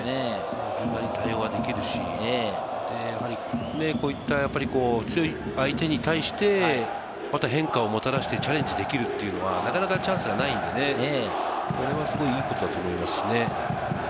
これだけ対応ができるし、こういった強い相手に対して、また変化をもたらしてチャレンジできるというのは、なかなかチャンスがないんでね、これは、すごいいいことだと思いますね。